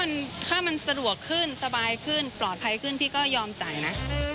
ถ้ามันสะดวกขึ้นสบายขึ้นปลอดภัยขึ้นพี่ก็ยอมจ่ายนะ